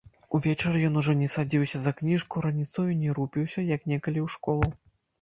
Увечары ён ужо не садзіўся за кніжку, раніцою не рупіўся, як некалі, у школу.